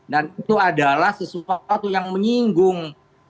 dan itu adalah sesuatu yang menyinggung